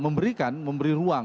memberikan memberi ruang